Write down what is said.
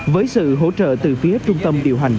với sự hỗ trợ từ phía trung tâm điều hành